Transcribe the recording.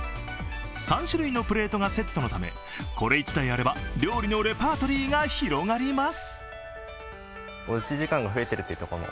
３種類のプレートがセットのため、これ１台あれば、料理のレパートリーが広がります。